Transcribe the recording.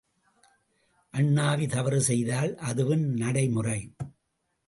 அண்ணாவி தவறு செய்தால் அதுவும் நடைமுறை.